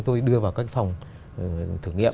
tôi đưa vào các phòng thử nghiệm